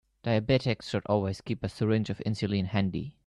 Diabetics should always keep a syringe of insulin handy.